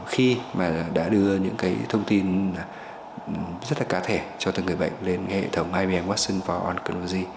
khi mà đã đưa những thông tin rất là cá thể cho tất cả người bệnh lên hệ thống ibm watson